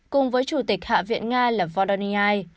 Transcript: cùng với chủ tịch hạ viện nga là volodymyr